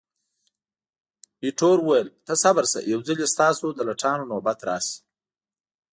ایټور وویل، ته صبر شه، یو ځلي ستاسو د لټانو نوبت راشي.